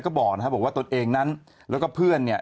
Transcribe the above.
ก็บอกว่าตนเองนั้นแล้วก็เพื่อนเนี่ย